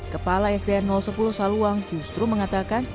kepala sdn sepuluh saluang justru mengatakan